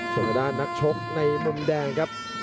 ส่วนทางด้านนักชกในมุมแดงครับ